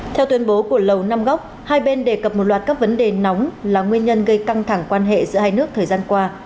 theo tuyên bố của lầu năm góc hai bên đề cập một loạt các vấn đề nóng là nguyên nhân gây căng thẳng quan hệ giữa hai nước thời gian qua